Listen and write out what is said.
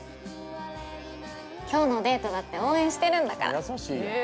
今日のデートだって応援してるんだから。